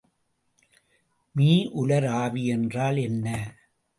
மீஉலர் ஆவி என்றால் என்ன?